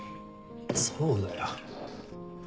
そうだよ。